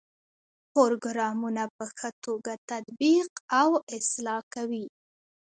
پروګرامونه په ښه توګه تطبیق او اصلاح کوي.